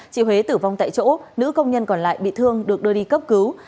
chị huế tử vong tại chỗ nữ công nhân còn lại bị thương được đưa đi cấp cứu